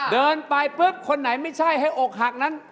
เดินไปปุ๊บคนไหนไม่ใช่ให้อกหักนั้น